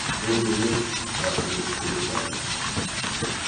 Tun Sie nichts, was Sie nicht tun wollen.